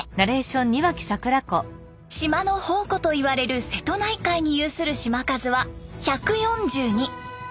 島の宝庫といわれる瀬戸内海に有する島数は１４２。